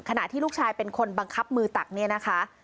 ที่ลูกชายเป็นคนบังคับมือตักเนี่ยนะคะ